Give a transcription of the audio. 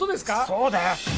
そうだよ